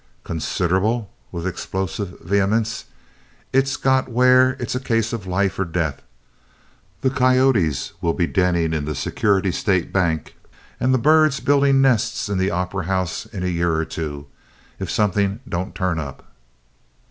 "Considerable!" with explosive vehemence. "It's got where it's a case of life or death. The coyotes'll be denning in the Security State Bank and the birds building nests in the Opera House in a year or two, if something don't turn up."